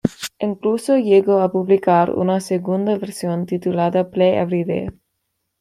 Incluso llegó a publicar una segunda versión titulada "Play Every Day".